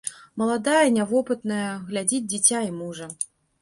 Маладая, нявопытная, глядзіць дзіця і мужа.